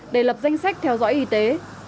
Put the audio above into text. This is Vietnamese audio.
để lập danh sách theo dõi y tế